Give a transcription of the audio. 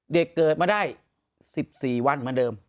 เกิดมาได้๑๔วันเหมือนเดิม